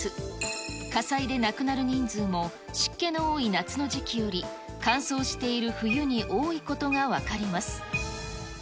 火災で亡くなる人数も、湿気の多い夏の時期より、乾燥している冬に多いことが分かります。